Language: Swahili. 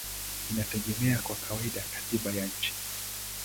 inategemea kwa kawaida katiba ya nchi.